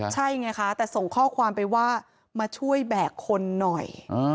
ใช่ไงคะแต่ส่งข้อความไปว่ามาช่วยแบกคนหน่อย